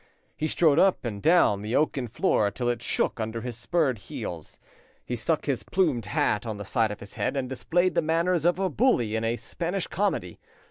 He strode up and down the oaken floor till it shook under his spurred heels; he stuck his plumed hat on the side of his head, and displayed the manners of a bully in a Spanish comedy.